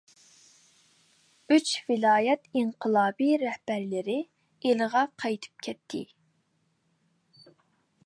ئۈچ ۋىلايەت ئىنقىلابى رەھبەرلىرى ئىلىغا قايتىپ كەتتى.